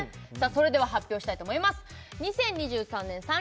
それでは発表したいと思います